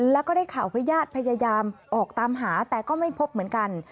แล้วก็ได้ข่าวพญาติพยายามออกตามหาแต่ก็ไม่พบเหมือนกัน